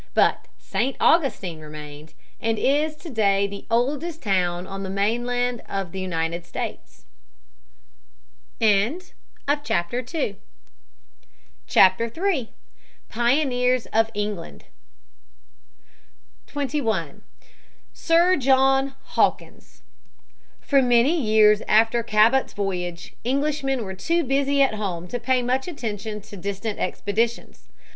But St. Augustine remained, and is to day the oldest town on the mainland of the United States. CHAPTER 3 PIONEERS OF ENGLAND [Sidenote: Hawkins's voyages, 1562 67.] 21. Sir John Hawkins. For many years after Cabot's voyage Englishmen were too busy at home to pay much attention to distant expeditions.